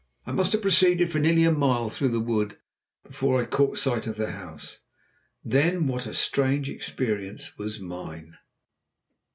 I must have proceeded for nearly a mile through the wood before I caught sight of the house. Then, what a strange experience was mine.